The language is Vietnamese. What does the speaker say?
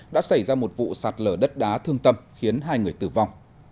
đã xảy ra một vụ sạt lở đất đá thương tâm khiến hai người tử vong